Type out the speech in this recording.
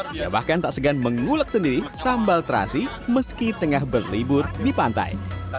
dia bahkan tak segan mengulek sendiri sambal terasi meski tengah berlibur di pantai